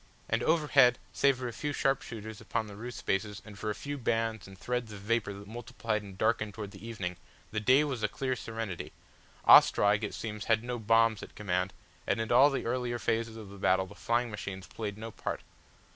And overhead save for a few sharpshooters upon the roof spaces and for a few bands and threads of vapour that multiplied and darkened towards the evening, the day was a clear serenity. Ostrog it seems had no bombs at command and in all the earlier phases of the battle the flying machines played no part.